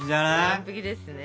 完璧ですね。